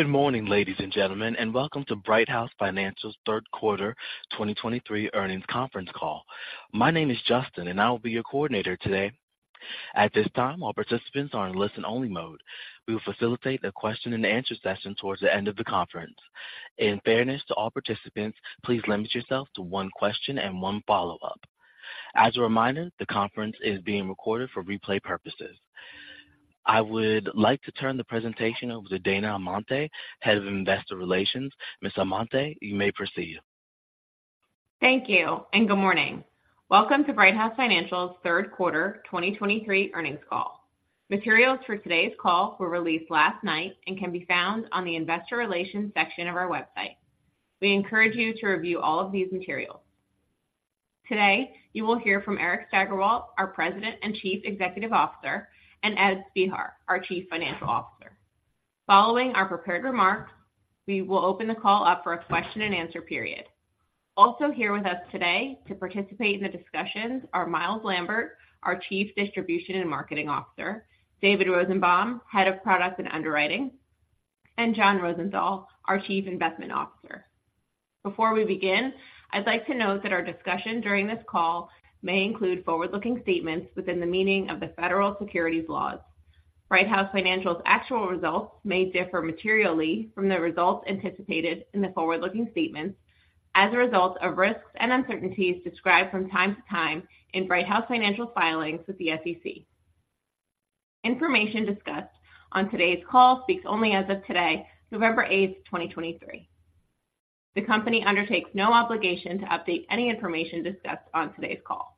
Good morning, ladies and gentlemen, and welcome to Brighthouse Financial's third quarter 2023 earnings conference call. My name is Justin, and I will be your coordinator today. At this time, all participants are in listen-only mode. We will facilitate the question and answer session towards the end of the conference. In fairness to all participants, please limit yourself to one question and one follow-up. As a reminder, the conference is being recorded for replay purposes. I would like to turn the presentation over to Dana Amante, Head of Investor Relations. Ms. Amante, you may proceed. Thank you, and good morning. Welcome to Brighthouse Financial's third quarter 2023 earnings call. Materials for today's call were released last night and can be found on the Investor Relations section of our website. We encourage you to review all of these materials. Today, you will hear from Eric Steigerwalt, our President and Chief Executive Officer, and Ed Spehar, our Chief Financial Officer. Following our prepared remarks, we will open the call up for a question and answer period. Also here with us today to participate in the discussions are Myles Lambert, our Chief Distribution and Marketing Officer, David Rosenbaum, Head of Product and Underwriting, and John Rosenthal, our Chief Investment Officer. Before we begin, I'd like to note that our discussion during this call may include forward-looking statements within the meaning of the federal securities laws. Brighthouse Financial's actual results may differ materially from the results anticipated in the forward-looking statements as a result of risks and uncertainties described from time to time in Brighthouse Financial filings with the SEC. Information discussed on today's call speaks only as of today, November 8, 2023. The company undertakes no obligation to update any information discussed on today's call.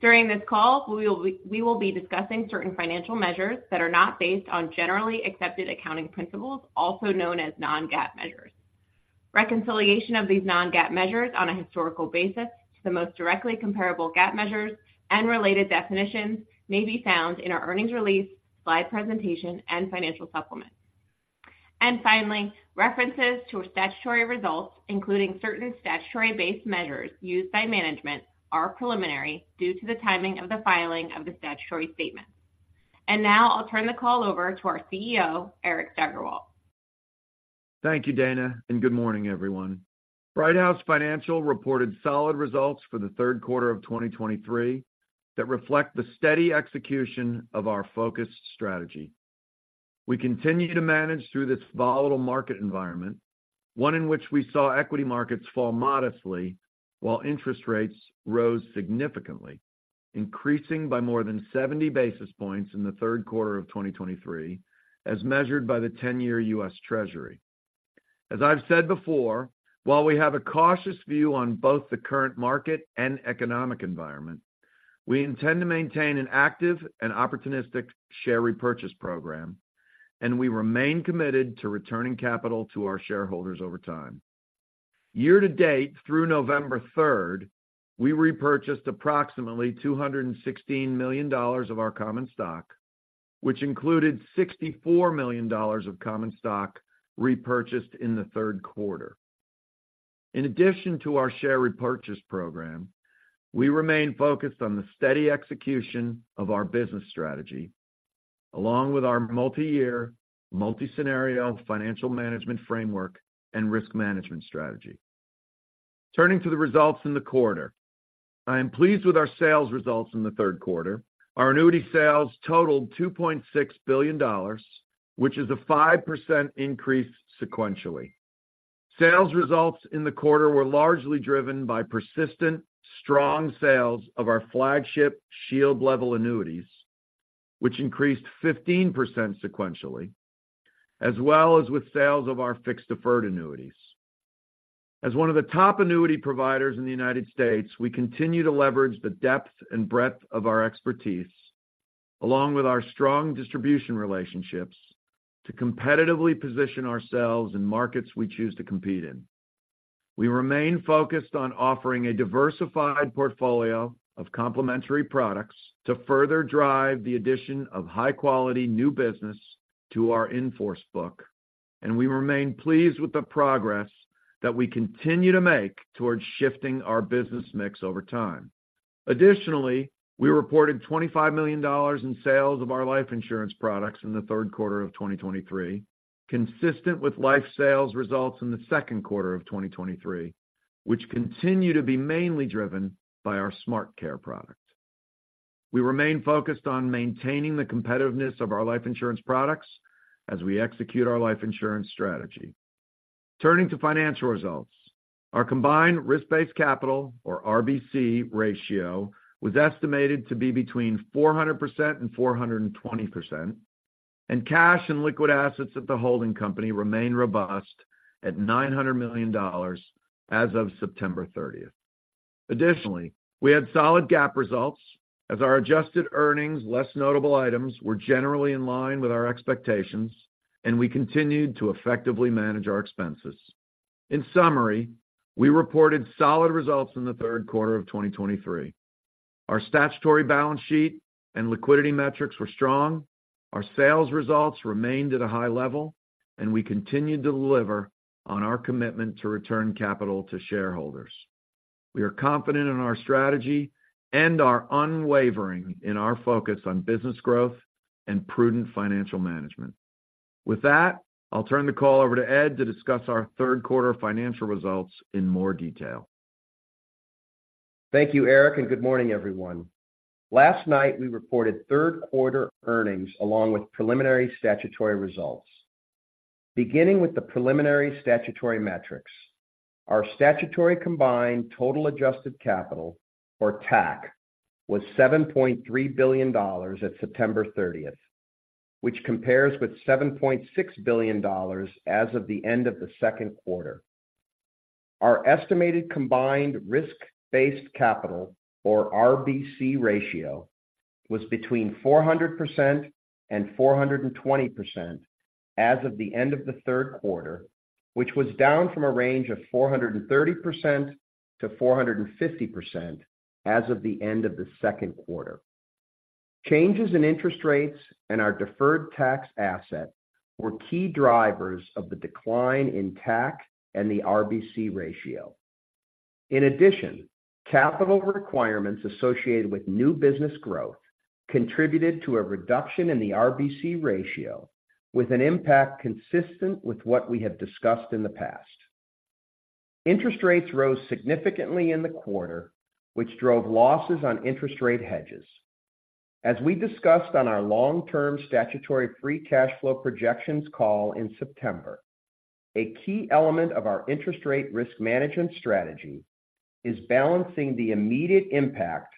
During this call, we will be discussing certain financial measures that are not based on generally accepted accounting principles, also known as non-GAAP measures. Reconciliation of these non-GAAP measures on a historical basis to the most directly comparable GAAP measures and related definitions may be found in our earnings release, slide presentation, and financial supplement. Finally, references to statutory results, including certain statutory-based measures used by management, are preliminary due to the timing of the filing of the statutory statements. Now I'll turn the call over to our CEO, Eric Steigerwalt. Thank you, Dana, and good morning, everyone. Brighthouse Financial reported solid results for the third quarter of 2023 that reflect the steady execution of our focused strategy. We continue to manage through this volatile market environment, one in which we saw equity markets fall modestly while interest rates rose significantly, increasing by more than 70 basis points in the third quarter of 2023, as measured by the 10-year U.S. Treasury. As I've said before, while we have a cautious view on both the current market and economic environment, we intend to maintain an active and opportunistic share repurchase program, and we remain committed to returning capital to our shareholders over time. Year to date, through November third, we repurchased approximately $216 million of our common stock, which included $64 million of common stock repurchased in the third quarter. In addition to our share repurchase program, we remain focused on the steady execution of our business strategy, along with our multi-year, multi-scenario financial management framework and risk management strategy. Turning to the results in the quarter. I am pleased with our sales results in the third quarter. Our annuity sales totaled $2.6 billion, which is a 5% increase sequentially. Sales results in the quarter were largely driven by persistent, strong sales of our flagship Shield Level annuities, which increased 15% sequentially, as well as with sales of our fixed deferred annuities. As one of the top annuity providers in the United States, we continue to leverage the depth and breadth of our expertise, along with our strong distribution relationships, to competitively position ourselves in markets we choose to compete in. We remain focused on offering a diversified portfolio of complementary products to further drive the addition of high-quality new business to our in-force book, and we remain pleased with the progress that we continue to make towards shifting our business mix over time. Additionally, we reported $25 million in sales of our life insurance products in the third quarter of 2023, consistent with life sales results in the second quarter of 2023, which continue to be mainly driven by our SmartCare product. We remain focused on maintaining the competitiveness of our life insurance products as we execute our life insurance strategy. Turning to financial results. Our combined risk-based capital, or RBC ratio, was estimated to be between 400% and 420%, and cash and liquid assets at the holding company remain robust at $900 million as of September thirtieth. Additionally, we had solid GAAP results as our adjusted earnings, less notable items, were generally in line with our expectations, and we continued to effectively manage our expenses. In summary, we reported solid results in the third quarter of 2023. Our statutory balance sheet and liquidity metrics were strong, our sales results remained at a high level, and we continued to deliver on our commitment to return capital to shareholders.... We are confident in our strategy and are unwavering in our focus on business growth and prudent financial management. With that, I'll turn the call over to Ed to discuss our third quarter financial results in more detail. Thank you, Eric, and good morning, everyone. Last night, we reported third quarter earnings along with preliminary statutory results. Beginning with the preliminary statutory metrics, our statutory combined total adjusted capital, or TAC, was $7.3 billion at September thirtieth, which compares with $7.6 billion as of the end of the second quarter. Our estimated combined risk-based capital, or RBC ratio, was between 400% and 420% as of the end of the third quarter, which was down from a range of 430%-450% as of the end of the second quarter. Changes in interest rates and our deferred tax asset were key drivers of the decline in TAC and the RBC ratio. In addition, capital requirements associated with new business growth contributed to a reduction in the RBC ratio, with an impact consistent with what we have discussed in the past. Interest rates rose significantly in the quarter, which drove losses on interest rate hedges. As we discussed on our long-term statutory free cash flow projections call in September, a key element of our interest rate risk management strategy is balancing the immediate impact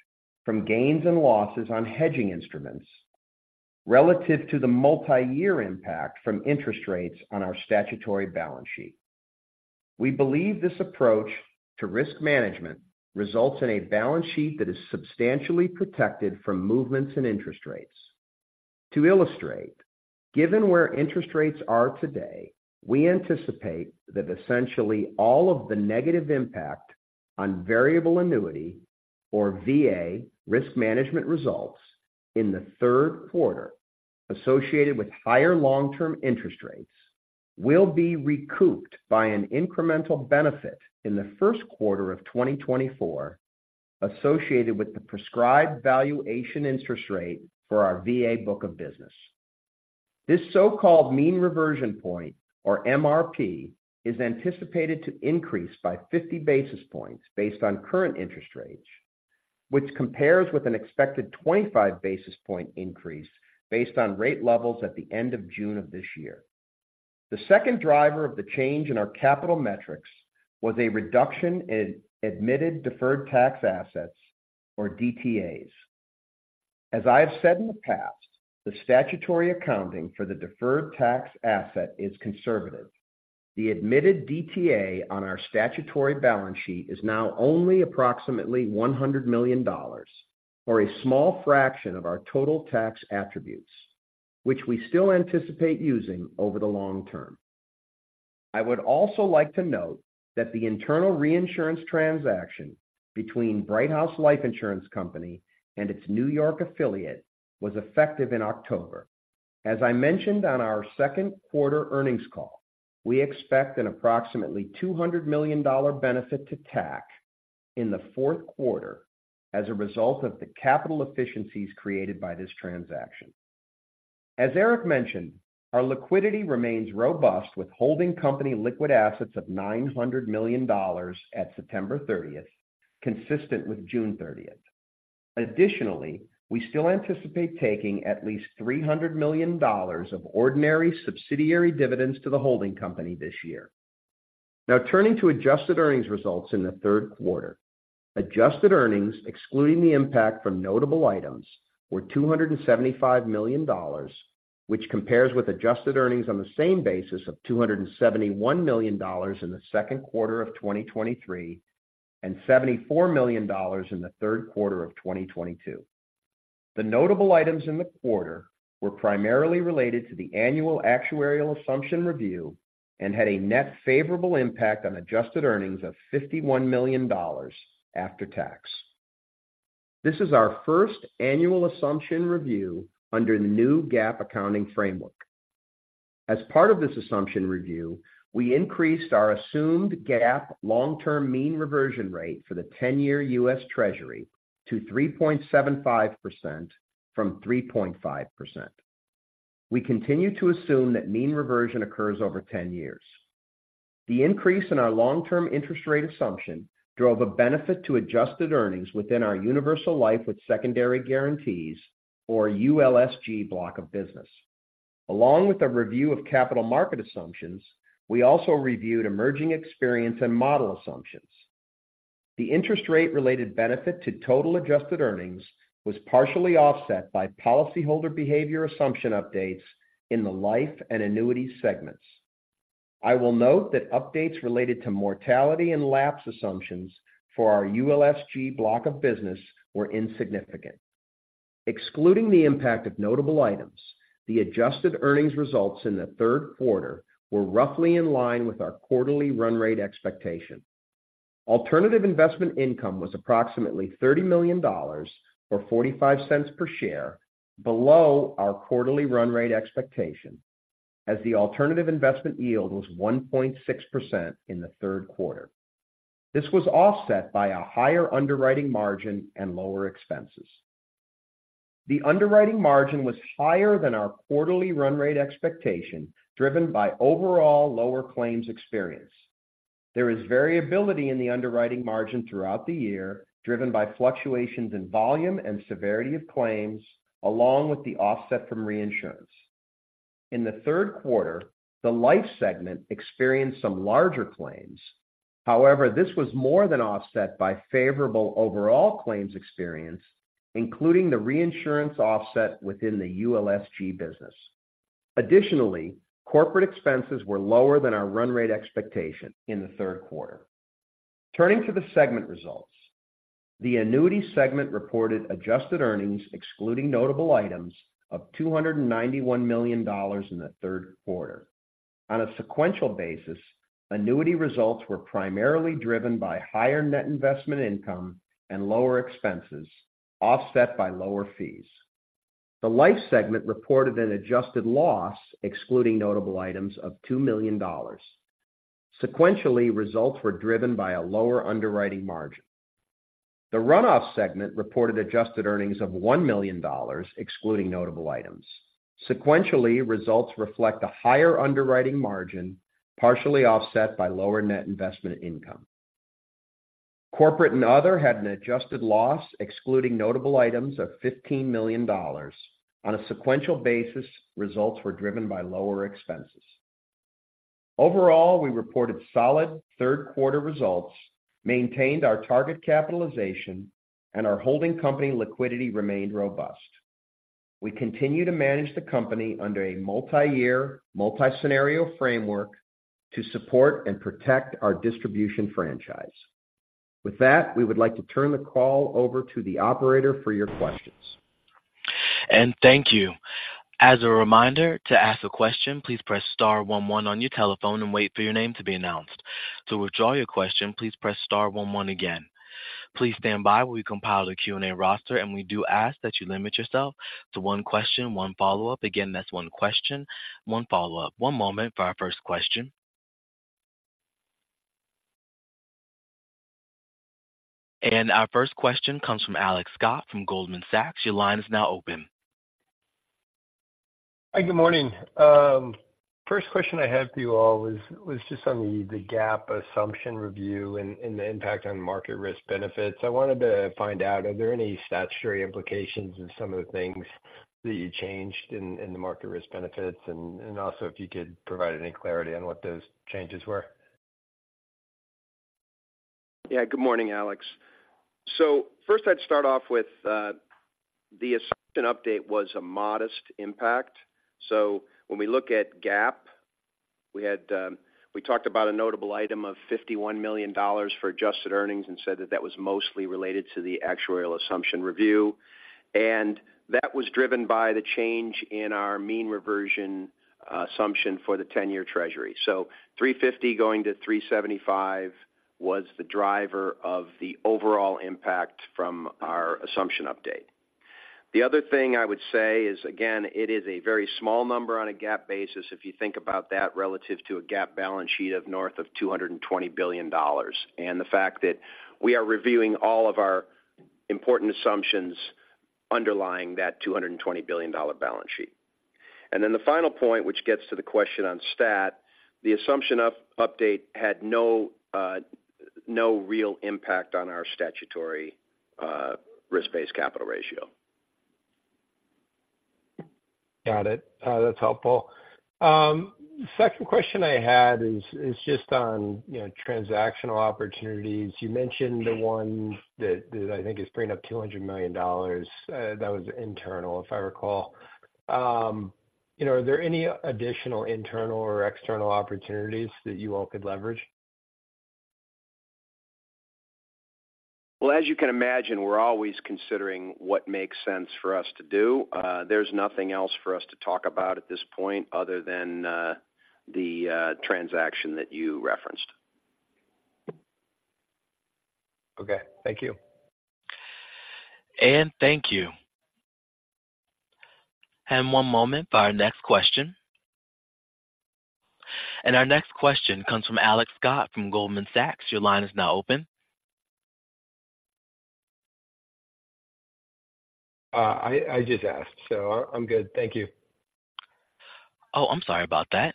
from gains and losses on hedging instruments relative to the multi-year impact from interest rates on our statutory balance sheet. We believe this approach to risk management results in a balance sheet that is substantially protected from movements in interest rates. To illustrate, given where interest rates are today, we anticipate that essentially all of the negative impact on variable annuity, or VA, risk management results in the third quarter associated with higher long-term interest rates will be recouped by an incremental benefit in the first quarter of 2024, associated with the prescribed valuation interest rate for our VA book of business. This so-called mean reversion point, or MRP, is anticipated to increase by 50 basis points based on current interest rates, which compares with an expected 25 basis point increase based on rate levels at the end of June of this year. The second driver of the change in our capital metrics was a reduction in admitted deferred tax assets, or DTAs. As I have said in the past, the statutory accounting for the deferred tax asset is conservative. The admitted DTA on our statutory balance sheet is now only approximately $100 million, or a small fraction of our total tax attributes, which we still anticipate using over the long term. I would also like to note that the internal reinsurance transaction between Brighthouse Life Insurance Company and its New York affiliate was effective in October. As I mentioned on our second quarter earnings call, we expect an approximately $200 million benefit to TAC in the fourth quarter as a result of the capital efficiencies created by this transaction. As Eric mentioned, our liquidity remains robust, with holding company liquid assets of $900 million at September 30th, consistent with June 30th. Additionally, we still anticipate taking at least $300 million of ordinary subsidiary dividends to the holding company this year. Now, turning to adjusted earnings results in the third quarter. Adjusted earnings, excluding the impact from notable items, were $275 million, which compares with adjusted earnings on the same basis of $271 million in the second quarter of 2023 and $74 million in the third quarter of 2022. The notable items in the quarter were primarily related to the annual actuarial assumption review and had a net favorable impact on adjusted earnings of $51 million after tax. This is our first annual assumption review under the new GAAP accounting framework. As part of this assumption review, we increased our assumed GAAP long-term mean reversion rate for the 10-year U.S. Treasury to 3.75% from 3.5%. We continue to assume that mean reversion occurs over 10 years. The increase in our long-term interest rate assumption drove a benefit to adjusted earnings within our universal life with secondary guarantees, or ULSG, block of business. Along with a review of capital market assumptions, we also reviewed emerging experience and model assumptions. The interest rate related benefit to total adjusted earnings was partially offset by policyholder behavior assumption updates in the life and annuity segments. I will note that updates related to mortality and lapse assumptions for our ULSG block of business were insignificant. Excluding the impact of notable items, the adjusted earnings results in the third quarter were roughly in line with our quarterly run rate expectation. Alternative investment income was approximately $30 million, or $0.45 per share, below our quarterly run rate expectation, as the alternative investment yield was 1.6% in the third quarter. This was offset by a higher underwriting margin and lower expenses. The underwriting margin was higher than our quarterly run rate expectation, driven by overall lower claims experience. There is variability in the underwriting margin throughout the year, driven by fluctuations in volume and severity of claims, along with the offset from reinsurance. In the third quarter, the life segment experienced some larger claims. However, this was more than offset by favorable overall claims experience, including the reinsurance offset within the ULSG business. Additionally, corporate expenses were lower than our run rate expectation in the third quarter. Turning to the segment results. The annuity segment reported adjusted earnings, excluding notable items, of $291 million in the third quarter. On a sequential basis, annuity results were primarily driven by higher net investment income and lower expenses, offset by lower fees. The life segment reported an adjusted loss, excluding notable items, of $2 million. Sequentially, results were driven by a lower underwriting margin. The runoff segment reported adjusted earnings of $1 million, excluding notable items. Sequentially, results reflect a higher underwriting margin, partially offset by lower net investment income. Corporate and other had an adjusted loss, excluding notable items, of $15 million. On a sequential basis, results were driven by lower expenses. Overall, we reported solid third-quarter results, maintained our target capitalization, and our holding company liquidity remained robust. We continue to manage the company under a multi-year, multi-scenario framework to support and protect our distribution franchise. With that, we would like to turn the call over to the operator for your questions. Thank you. As a reminder, to ask a question, please press star one, one on your telephone and wait for your name to be announced. To withdraw your question, please press star one, one again. Please stand by while we compile the Q&A roster, and we do ask that you limit yourself to one question, one follow-up. Again, that's one question, one follow-up. One moment for our first question. Our first question comes from Alex Scott from Goldman Sachs. Your line is now open. Hi, good morning. First question I had for you all was just on the GAAP assumption review and the impact on market risk benefits. I wanted to find out, are there any statutory implications in some of the things that you changed in the market risk benefits, and also if you could provide any clarity on what those changes were? Yeah. Good morning, Alex. So first, I'd start off with, the assumption update was a modest impact. So when we look at GAAP, we had, we talked about a notable item of $51 million for adjusted earnings and said that that was mostly related to the actuarial assumption review. And that was driven by the change in our mean reversion assumption for the 10-year treasury. So 3.50 going to 3.75 was the driver of the overall impact from our assumption update. The other thing I would say is, again, it is a very small number on a GAAP basis if you think about that relative to a GAAP balance sheet of north of $220 billion, and the fact that we are reviewing all of our important assumptions underlying that $220 billion balance sheet. And then the final point, which gets to the question on stat, the assumption update had no, no real impact on our statutory risk-based capital ratio. Got it. That's helpful. The second question I had is, is just on, you know, transactional opportunities. You mentioned the one that, that I think is bringing up $200 million. That was internal, if I recall. You know, are there any additional internal or external opportunities that you all could leverage? Well, as you can imagine, we're always considering what makes sense for us to do. There's nothing else for us to talk about at this point other than the transaction that you referenced. Okay, thank you. Thank you. One moment for our next question. Our next question comes from Alex Scott from Goldman Sachs. Your line is now open. I just asked, so I'm good. Thank you. Oh, I'm sorry about that.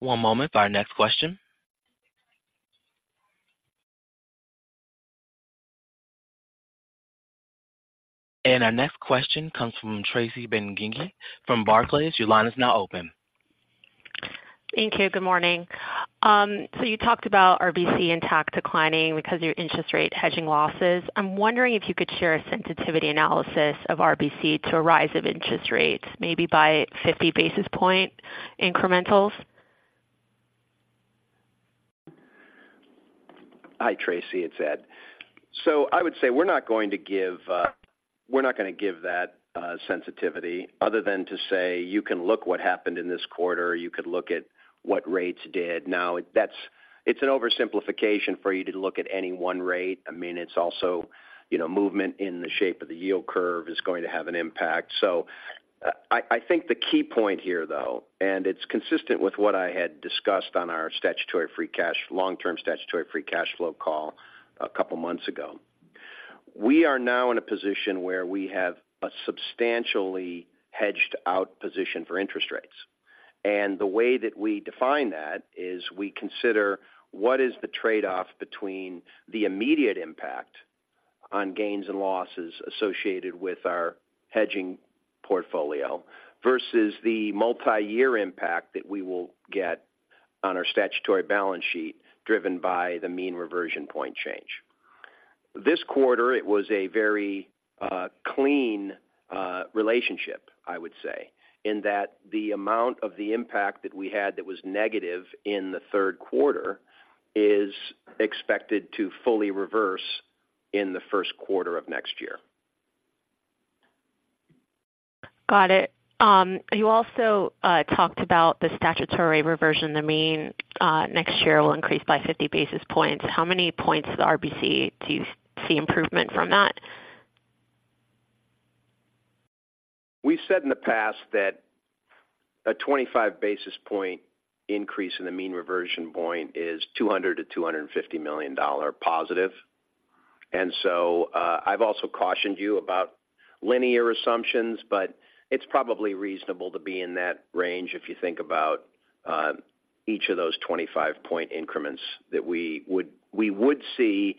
One moment for our next question. Our next question comes from Tracy Benguigui from Barclays. Your line is now open. Thank you. Good morning. So you talked about RBC intact declining because of your interest rate hedging losses. I'm wondering if you could share a sensitivity analysis of RBC to a rise of interest rates, maybe by 50 basis point incrementals? Hi, Tracy, it's Ed. So I would say we're not going to give, we're not going to give that sensitivity other than to say, you can look what happened in this quarter, you could look at what rates did. Now, that's—it's an oversimplification for you to look at any one rate. I mean, it's also, you know, movement in the shape of the yield curve is going to have an impact. So, I think the key point here, though, and it's consistent with what I had discussed on our statutory free cash, long-term statutory free cash flow call a couple of months ago. We are now in a position where we have a substantially hedged out position for interest rates, and the way that we define that is we consider what is the trade-off between the immediate impact on gains and losses associated with our hedging portfolio versus the multi-year impact that we will get on our statutory balance sheet, driven by the mean reversion point change. This quarter, it was a very, clean, relationship, I would say, in that the amount of the impact that we had that was negative in the third quarter is expected to fully reverse in the first quarter of next year. Got it. You also talked about the statutory reversion. The mean reversion next year will increase by 50 basis points. How many points of the RBC do you see improvement from that? We've said in the past that a 25 basis point increase in the mean reversion point is $200 million-$250 million positive. And so, I've also cautioned you about linear assumptions, but it's probably reasonable to be in that range if you think about each of those 25-point increments that we would see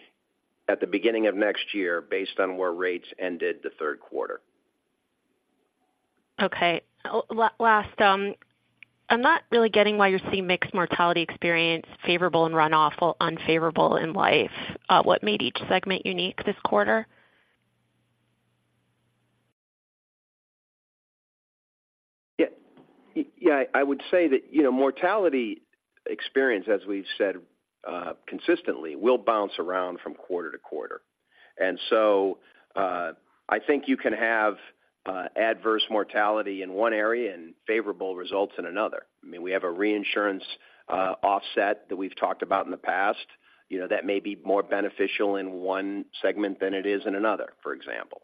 at the beginning of next year based on where rates ended the third quarter. Okay. Last, I'm not really getting why you're seeing mixed mortality experience, favorable and run-off, or unfavorable in life. What made each segment unique this quarter? Yeah, yeah, I would say that, you know, mortality experience, as we've said, consistently, will bounce around from quarter to quarter. And so, I think you can have adverse mortality in one area and favorable results in another. I mean, we have a reinsurance offset that we've talked about in the past, you know, that may be more beneficial in one segment than it is in another, for example.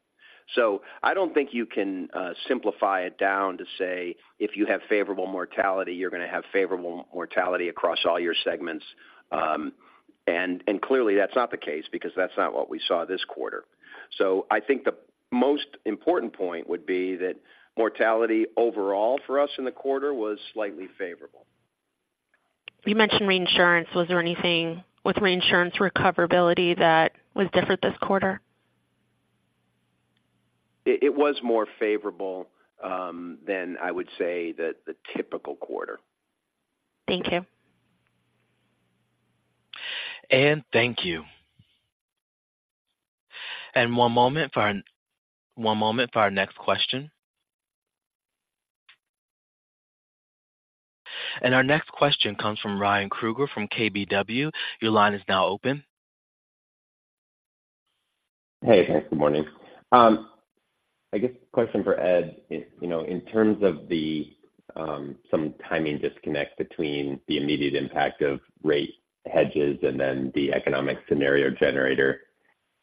So I don't think you can simplify it down to say, if you have favorable mortality, you're going to have favorable mortality across all your segments. And clearly, that's not the case because that's not what we saw this quarter. So I think the most important point would be that mortality overall for us in the quarter was slightly favorable. You mentioned reinsurance. Was there anything with reinsurance recoverability that was different this quarter? It was more favorable than I would say, the typical quarter. Thank you. And thank you. One moment for our next question. And our next question comes from Ryan Kruger from KBW. Your line is now open. Hey, thanks. Good morning. I guess question for Ed, you know, in terms of the some timing disconnect between the immediate impact of rate hedges and then the economic scenario generator,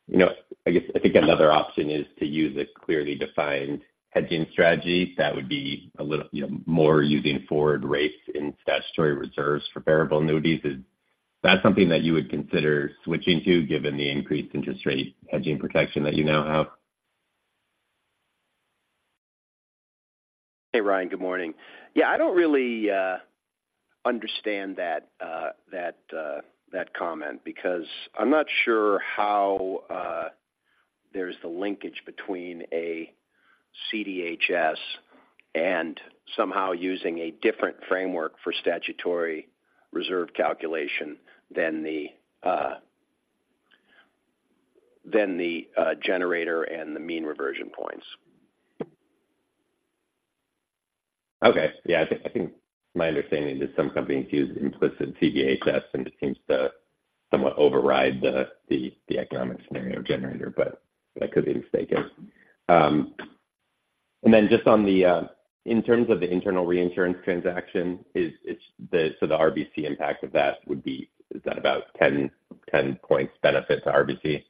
you know, I guess, I think another option is to use a clearly defined hedging strategy that would be a little, you know, more using forward rates in statutory reserves for variable annuities. Is that something that you would consider switching to, given the increased interest rate hedging protection that you now have? Hey, Ryan, good morning. Yeah, I don't really understand that comment, because I'm not sure how there's the linkage between a CDHS and somehow using a different framework for statutory reserve calculation than the generator and the mean reversion points. Okay. Yeah, I think my understanding is some companies use implicit CDHS, and it seems to somewhat override the economic scenario generator, but that could be mistaken. And then just on the, in terms of the internal reinsurance transaction, is it so the RBC impact of that would be, is that about 10 points benefit to RBC?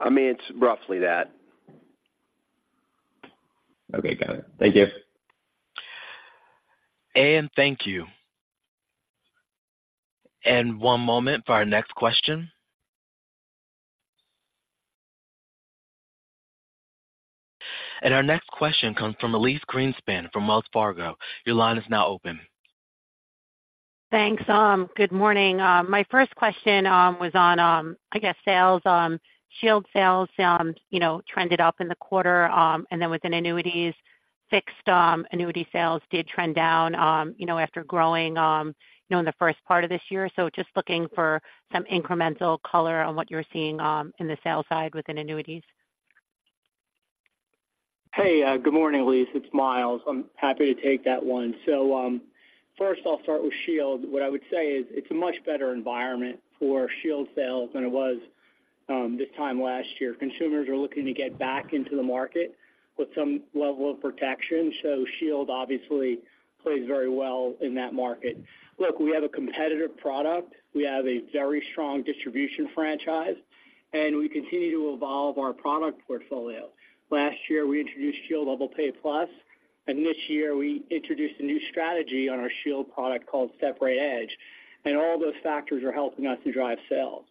I mean, it's roughly that. Okay, got it. Thank you. Thank you. One moment for our next question. Our next question comes from Elise Greenspan from Wells Fargo. Your line is now open. Thanks, good morning. My first question was on, I guess, sales, Shield sales, you know, trended up in the quarter, and then within annuities, fixed annuity sales did trend down, you know, after growing, you know, in the first part of this year. So just looking for some incremental color on what you're seeing, in the sales side within annuities. Hey, good morning, Elyse. It's Myles. I'm happy to take that one. So, first, I'll start with Shield. What I would say is it's a much better environment for Shield sales than it was this time last year. Consumers are looking to get back into the market with some level of protection, so Shield obviously plays very well in that market. Look, we have a competitive product, we have a very strong distribution franchise, and we continue to evolve our product portfolio. Last year, we introduced Shield Level Pay Plus, and this year, we introduced a new strategy on our Shield product called Step Rate Edge, and all those factors are helping us to drive sales.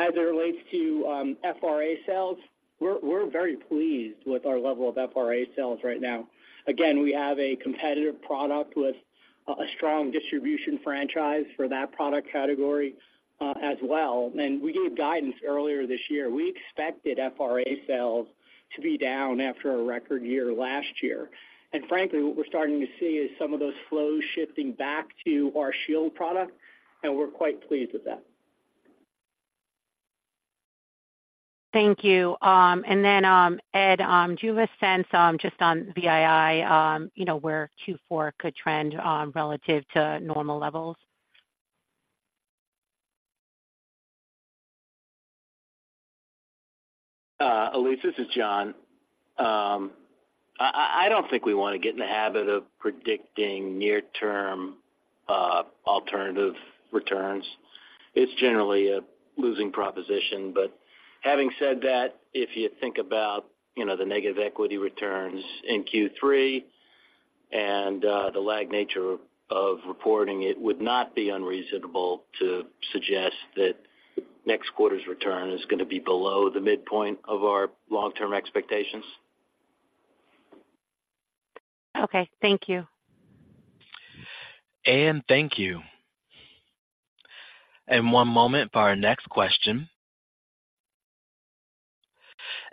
As it relates to FRA sales, we're very pleased with our level of FRA sales right now. Again, we have a competitive product with a strong distribution franchise for that product category, as well. We gave guidance earlier this year. We expected FRA sales to be down after a record year last year. Frankly, what we're starting to see is some of those flows shifting back to our Shield product, and we're quite pleased with that. Thank you. Then, Ed, do you have a sense, just on VII, you know, where Q4 could trend, relative to normal levels? Elise, this is John. I don't think we want to get in the habit of predicting near-term alternative returns. It's generally a losing proposition. But having said that, if you think about, you know, the negative equity returns in Q3 and the lag nature of reporting, it would not be unreasonable to suggest that next quarter's return is going to be below the midpoint of our long-term expectations. Okay. Thank you. Anne, thank you. One moment for our next question.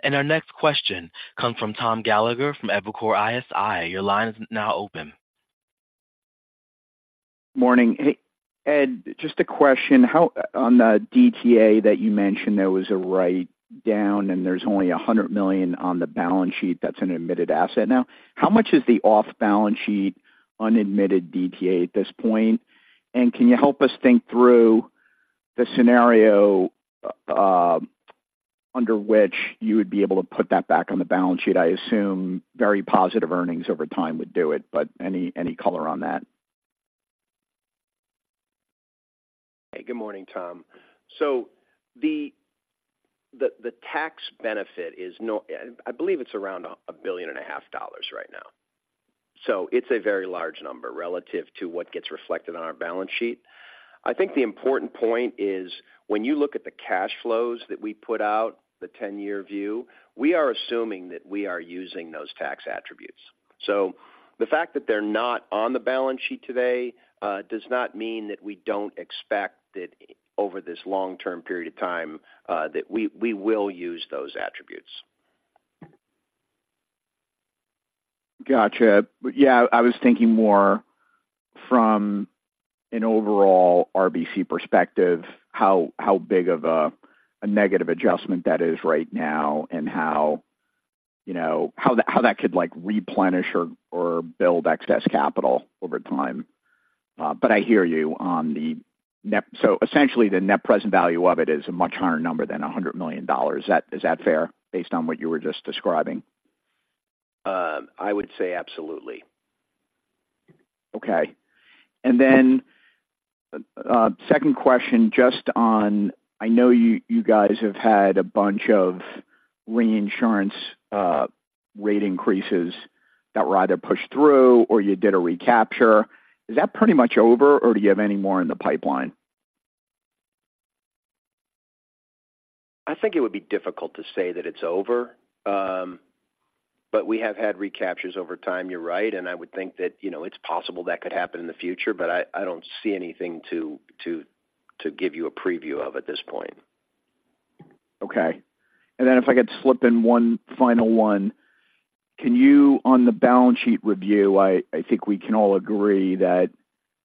Our next question comes from Tom Gallagher from Evercore ISI. Your line is now open. Morning. Hey, Ed, just a question. How on the DTA that you mentioned, there was a write down, and there's only $100 million on the balance sheet that's an admitted asset now. How much is the off-balance sheet, unadmitted DTA at this point? And can you help us think through the scenario under which you would be able to put that back on the balance sheet? I assume very positive earnings over time would do it, but any, any color on that? Hey, good morning, Tom. So the tax benefit is now—I believe it's around $1.5 billion right now. So it's a very large number relative to what gets reflected on our balance sheet. I think the important point is when you look at the cash flows that we put out, the 10-year view, we are assuming that we are using those tax attributes. So the fact that they're not on the balance sheet today does not mean that we don't expect that over this long-term period of time that we will use those attributes. Got you. But yeah, I was thinking more from an overall RBC perspective, how big of a negative adjustment that is right now and how, you know, how that could, like, replenish or build excess capital over time. But I hear you on the net. So essentially, the net present value of it is a much higher number than $100 million. Is that fair, based on what you were just describing? I would say absolutely. Okay. Second question, just on... I know you guys have had a bunch of reinsurance rate increases that were either pushed through or you did a recapture. Is that pretty much over, or do you have any more in the pipeline? I think it would be difficult to say that it's over. But we have had recaptures over time, you're right, and I would think that, you know, it's possible that could happen in the future, but I don't see anything to give you a preview of at this point. Okay. And then if I could slip in one final one. Can you, on the balance sheet review, I think we can all agree that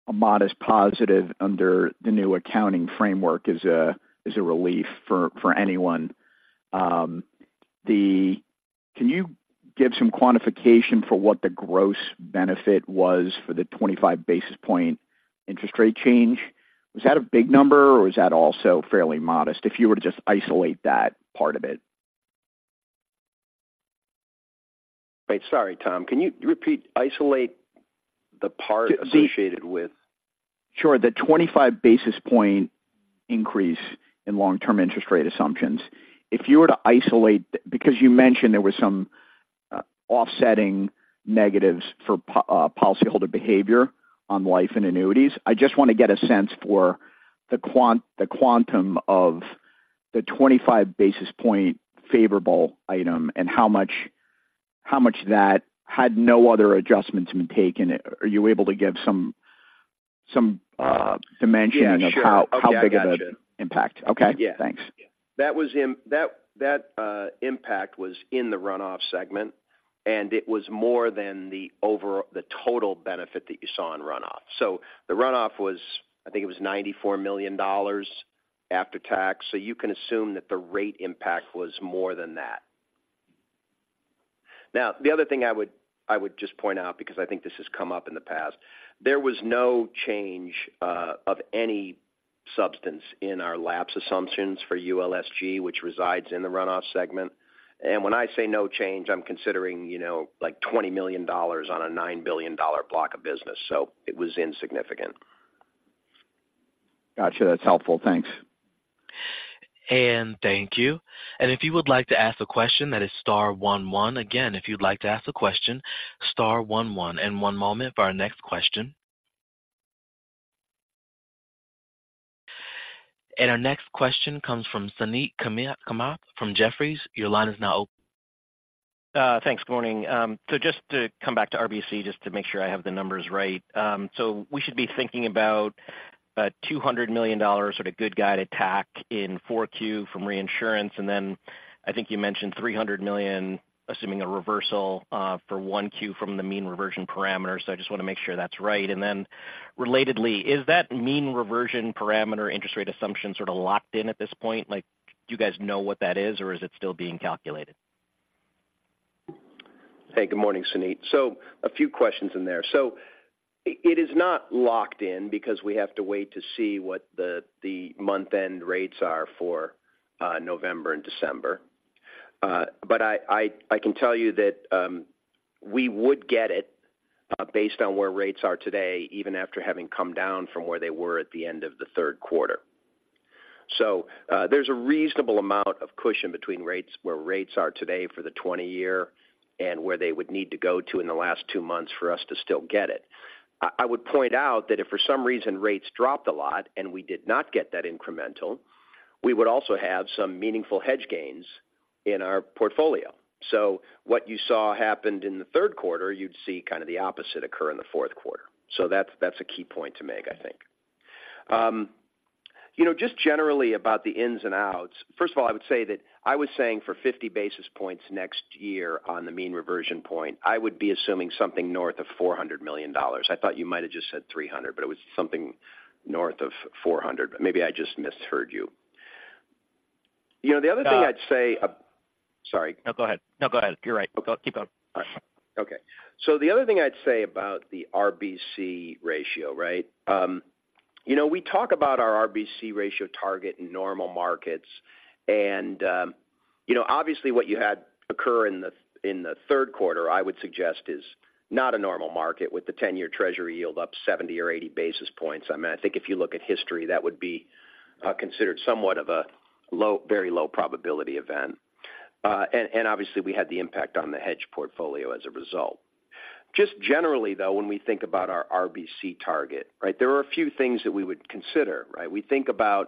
a modest positive under the new accounting framework is a relief for anyone. Then, can you give some quantification for what the gross benefit was for the 25 basis point interest rate change? Was that a big number, or was that also fairly modest, if you were to just isolate that part of it? Wait, sorry, Tom, can you repeat, isolate the part associated with? Sure. The 25 basis point increase in long-term interest rate assumptions. If you were to isolate, because you mentioned there was some offsetting negatives for policyholder behavior on life and annuities. I just want to get a sense for the quantum of the 25 basis point favorable item and how much, how much that had no other adjustments been taken. Are you able to give some dimension- Yeah, sure. of how, how big of an impact? Okay. Thanks. That impact was in the runoff segment, and it was more than the overall benefit that you saw in runoff. So the runoff was, I think it was $94 million after tax, so you can assume that the rate impact was more than that. Now, the other thing I would just point out, because I think this has come up in the past, there was no change of any substance in our lapse assumptions for ULSG, which resides in the runoff segment. And when I say no change, I'm considering, you know, like $20 million on a $9 billion block of business, so it was insignificant.... Gotcha, that's helpful. Thanks. Thank you. If you would like to ask a question, that is star one one. Again, if you'd like to ask a question, star one one, and one moment for our next question. Our next question comes from Suneet Kamath from Jefferies. Your line is now open. Thanks. Good morning. So just to come back to RBC, just to make sure I have the numbers right. So we should be thinking about a $200 million sort of goodwill add-back in 4Q from reinsurance, and then I think you mentioned $300 million, assuming a reversal, for 1Q from the mean reversion parameters. So I just want to make sure that's right. And then relatedly, is that mean reversion parameter interest rate assumption sort of locked in at this point? Like, do you guys know what that is, or is it still being calculated? Hey, good morning, Suneet. So a few questions in there. So it is not locked in because we have to wait to see what the month-end rates are for November and December. But I can tell you that we would get it based on where rates are today, even after having come down from where they were at the end of the third quarter. So there's a reasonable amount of cushion between rates where rates are today for the 20-year and where they would need to go to in the last two months for us to still get it. I would point out that if for some reason rates dropped a lot and we did not get that incremental, we would also have some meaningful hedge gains in our portfolio. So what you saw happened in the third quarter, you'd see kind of the opposite occur in the fourth quarter. So that's, that's a key point to make, I think. You know, just generally about the ins and outs. First of all, I would say that I was saying for 50 basis points next year on the mean reversion point, I would be assuming something north of $400 million. I thought you might have just said $300 million, but it was something north of $400 million. Maybe I just misheard you. You know, the other thing I'd say- No. Sorry. No, go ahead. No, go ahead. You're right. Keep going. All right. Okay. So the other thing I'd say about the RBC ratio, right? You know, we talk about our RBC ratio target in normal markets, and, you know, obviously what you had occur in the, in the third quarter, I would suggest, is not a normal market with the ten-year treasury yield up 70 or 80 basis points. I mean, I think if you look at history, that would be, considered somewhat of a low, very low probability event. And obviously, we had the impact on the hedge portfolio as a result. Just generally, though, when we think about our RBC target, right, there are a few things that we would consider, right? We think about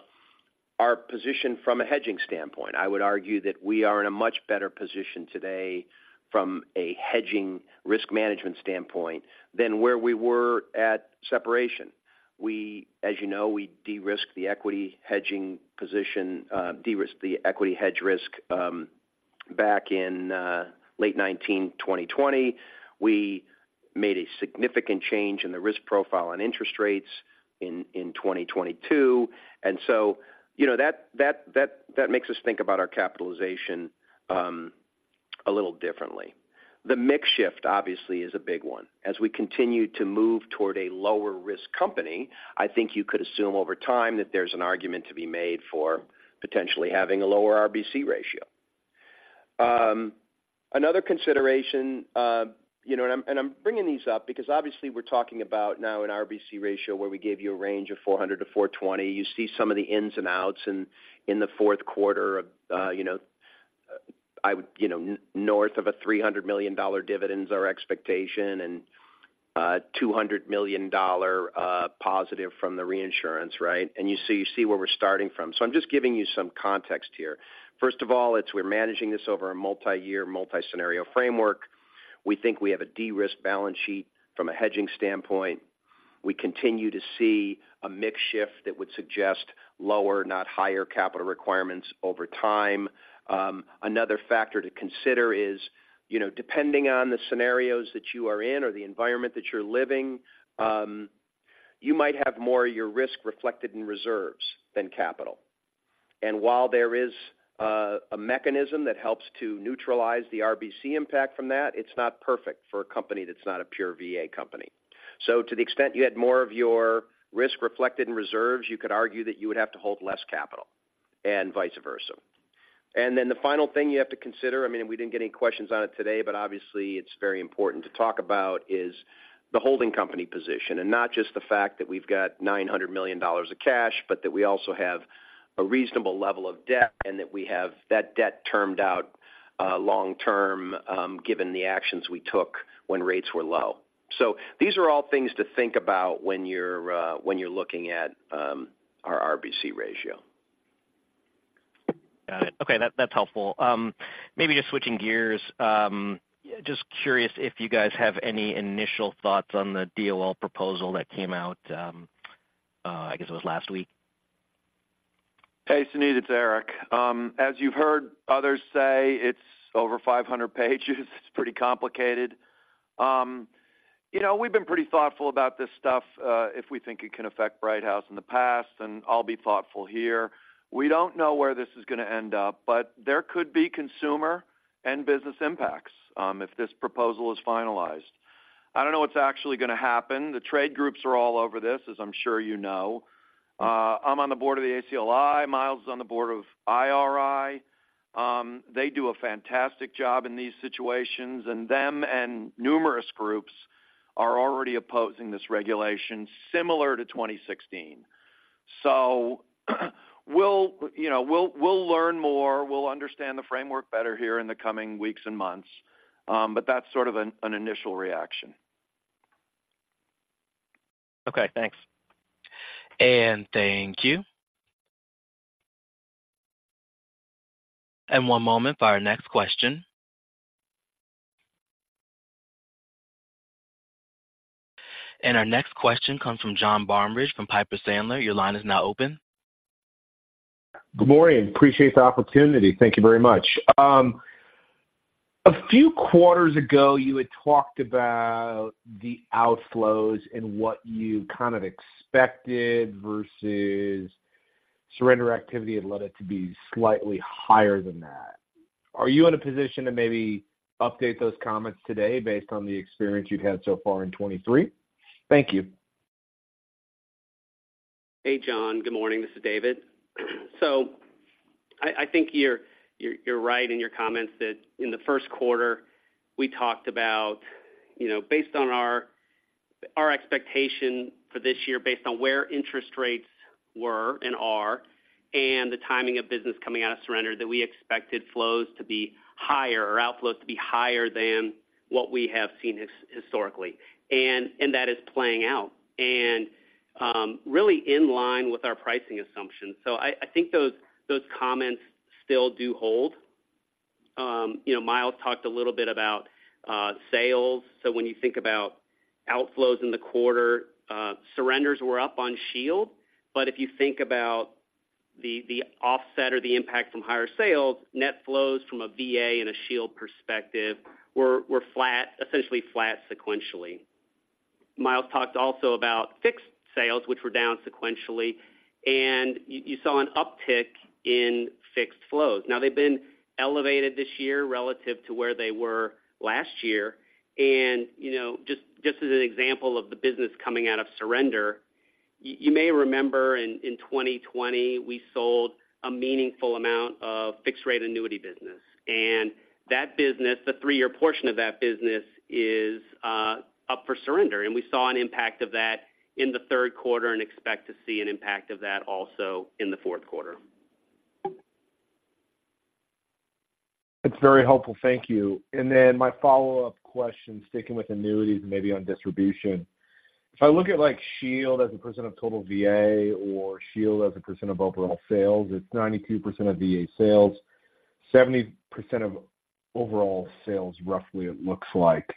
our position from a hedging standpoint. I would argue that we are in a much better position today from a hedging risk management standpoint than where we were at separation. We, as you know, we de-risked the equity hedging position, de-risked the equity hedge risk, back in late 2019, 2020. We made a significant change in the risk profile on interest rates in 2022, and so you know, that makes us think about our capitalization a little differently. The mix shift, obviously, is a big one. As we continue to move toward a lower risk company, I think you could assume over time that there's an argument to be made for potentially having a lower RBC ratio. Another consideration, you know, and I'm bringing these up because obviously we're talking about now an RBC ratio where we gave you a range of 400-420. You see some of the ins and outs and in the fourth quarter of, you know, I would, you know, north of a $300 million dividend is our expectation and $200 million positive from the reinsurance, right? And you see where we're starting from. So I'm just giving you some context here. First of all, it's we're managing this over a multi-year, multi-scenario framework. We think we have a de-risked balance sheet from a hedging standpoint. We continue to see a mix shift that would suggest lower, not higher, capital requirements over time. Another factor to consider is, you know, depending on the scenarios that you are in or the environment that you're living, you might have more of your risk reflected in reserves than capital. And while there is a mechanism that helps to neutralize the RBC impact from that, it's not perfect for a company that's not a pure VA company. So to the extent you had more of your risk reflected in reserves, you could argue that you would have to hold less capital and vice versa. Then the final thing you have to consider, I mean, we didn't get any questions on it today, but obviously it's very important to talk about, is the holding company position, and not just the fact that we've got $900 million of cash, but that we also have a reasonable level of debt and that we have that debt termed out long term, given the actions we took when rates were low. So these are all things to think about when you're looking at our RBC ratio. Got it. Okay, that, that's helpful. Maybe just switching gears, just curious if you guys have any initial thoughts on the DOL proposal that came out, I guess it was last week. Hey, Suneet, it's Eric. As you've heard others say, it's over 500 pages. It's pretty complicated. You know, we've been pretty thoughtful about this stuff, if we think it can affect Brighthouse in the past, and I'll be thoughtful here. We don't know where this is going to end up, but there could be consumer and business impacts, if this proposal is finalized. I don't know what's actually going to happen. The trade groups are all over this, as I'm sure you know. I'm on the board of the ACLI. Miles is on the board of IRI. They do a fantastic job in these situations, and them and numerous groups are already opposing this regulation, similar to 2016. So we'll, you know, learn more. We'll understand the framework better here in the coming weeks and months, but that's sort of an initial reaction. Okay, thanks. And thank you. And one moment for our next question. And our next question comes from John Barnidge from Piper Sandler. Your line is now open. Good morning. Appreciate the opportunity. Thank you very much. A few quarters ago, you had talked about the outflows and what you kind of expected versus surrender activity had led it to be slightly higher than that. Are you in a position to maybe update those comments today based on the experience you've had so far in 2023? Thank you. Hey, John. Good morning. This is David. So I think you're right in your comments that in the first quarter, we talked about, you know, based on our expectation for this year, based on where interest rates were and are, and the timing of business coming out of surrender, that we expected flows to be higher or outflows to be higher than what we have seen his- historically. And that is playing out and really in line with our pricing assumptions. So I think those comments still do hold. You know, Myles talked a little bit about sales. So when you think about outflows in the quarter, surrenders were up on Shield. But if you think about the offset or the impact from higher sales, net flows from a VA and a Shield perspective were flat, essentially flat sequentially. Myles talked also about fixed sales, which were down sequentially, and you saw an uptick in fixed flows. Now they've been elevated this year relative to where they were last year. And, you know, just as an example of the business coming out of surrender, you may remember in 2020, we sold a meaningful amount of fixed rate annuity business, and that business, the three-year portion of that business, is up for surrender, and we saw an impact of that in the third quarter and expect to see an impact of that also in the fourth quarter. That's very helpful. Thank you. And then my follow-up question, sticking with annuities and maybe on distribution. If I look at, like, Shield as a percent of total VA or Shield as a percent of overall sales, it's 92% of VA sales, 70% of overall sales, roughly, it looks like.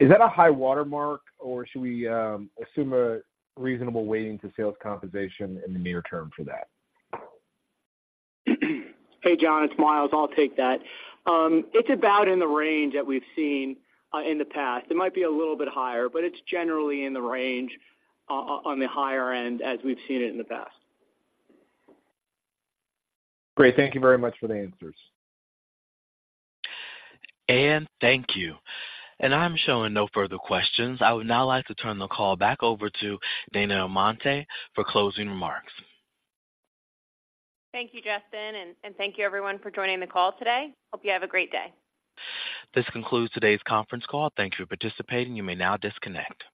Is that a high watermark, or should we assume a reasonable weighting to sales compensation in the near term for that? Hey, John, it's Myles. I'll take that. It's about in the range that we've seen in the past. It might be a little bit higher, but it's generally in the range on the higher end as we've seen it in the past. Great. Thank you very much for the answers. Thank you. I'm showing no further questions. I would now like to turn the call back over to Dana Amante for closing remarks. Thank you, Justin, and thank you, everyone, for joining the call today. Hope you have a great day. This concludes today's conference call. Thank you for participating. You may now disconnect.